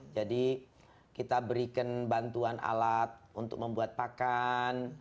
jadi kita berikan bantuan alat untuk membuat pakan